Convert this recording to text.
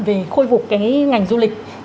về khôi vục cái ngành du lịch